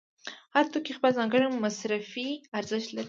هر توکی خپل ځانګړی مصرفي ارزښت لري